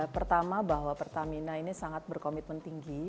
pertama bahwa pertamina ini sangat berkomitmen tinggi